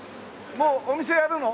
もうお店やるの？